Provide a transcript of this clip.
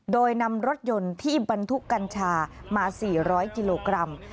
โดยนำรถยนต์ที่บรรทุกกัญชามา๔๐๐กิโลกรัม